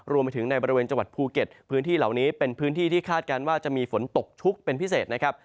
รวมไปถึงในบริเวณจังหวัดภูเก็ตพื้นที่เหล่านี้เป็นพื้นที่ที่คาดการณ์ว่าจะมีฝนตกชุกเป็นพิเศษนะครับ